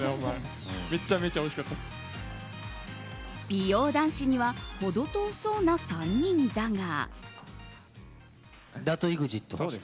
美容男子には程遠そうな３人だが。